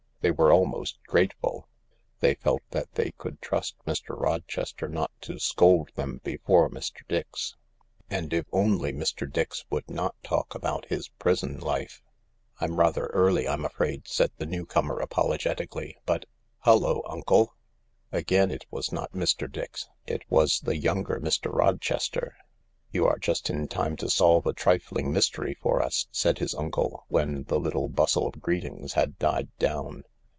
They were almost grateful. They felt that they could trust Mr. Rochester not to scold them before Mr. Dix. And if only Mr. Dix would not talk about his prison life ... "I'm rather early, I'm afraid," said the newcomer apologetically, " but Hullo, uncle !" Again it was not Mr. Dix. It was the younger Mr. Rochester. " You are just in time to solve a trifling mystery for us," said his uncle, when the little bustle of greetings had died down.